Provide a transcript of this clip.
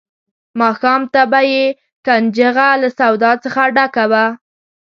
ماښام ته به یې کنجغه له سودا څخه ډکه وه.